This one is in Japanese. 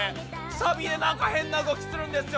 サビで何か変な動きするんですよ